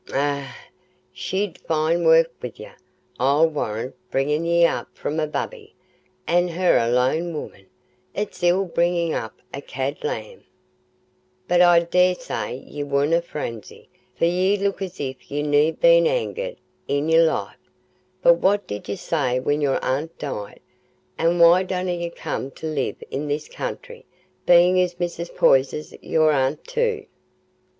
"Eh, she'd fine work wi' ye, I'll warrant, bringin' ye up from a babby, an' her a lone woman—it's ill bringin' up a cade lamb. But I daresay ye warna franzy, for ye look as if ye'd ne'er been angered i' your life. But what did ye do when your aunt died, an' why didna ye come to live in this country, bein' as Mrs. Poyser's your aunt too?"